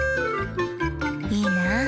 いいな。